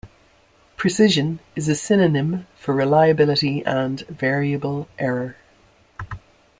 "Precision" is a synonym for reliability and "variable error".